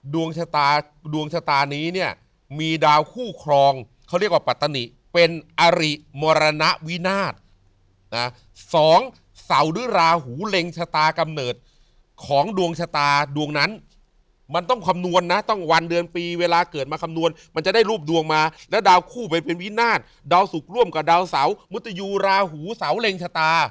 ดวงชะตาดวงชะตานี้เนี่ยมีดาวคู่ครองเขาเรียกว่าปัตตนิเป็นอริมรณวินาศนะสองเสาหรือราหูเล็งชะตากำเนิดของดวงชะตาดวงนั้นมันต้องคำนวณนะต้องวันเดือนปีเวลาเกิดมาคำนวณมันจะได้รูปดวงมาแล้วดาวคู่ไปเป็นวินาศดาวสุขร่วมกับดาวเสามุตยูราหูเสาเล็งชะตา